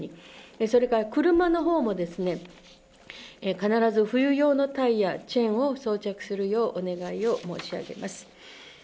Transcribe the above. それから車のほうもですね、必ず冬用のタイヤ、チェーンを装着するようお願いを申し上げます。